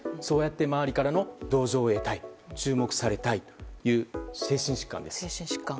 そうやって周りからの同情を得たい、注目されたいという精神疾患です。